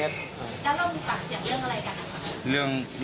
แล้วเรามีปากเสียงเรื่องอะไรกันนะคะ